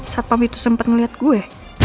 sapam itu sempat melihat gue